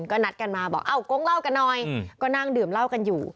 ก็นัดกันมาบอกเอ้ากงเล่ากันหน่อยก็นั่งดื่มเหล้ากันอยู่